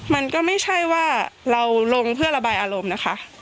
มันก็ไม่ใช่ว่าเราลงเพื่อระบายอารมณ์นะคะ